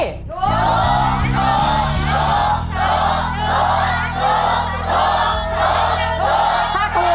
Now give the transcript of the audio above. ถลงถลงถลง